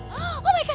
gak boleh terjadi oke